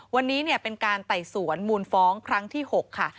วันนี้เป็นการไต่สวนมูลฟ้องครั้งที่๖ค่ะ